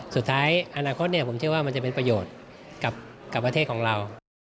สุดท้ายอนาคตผมเชื่อว่ามันจะเป็นประโยชน์กับประเทศของเรา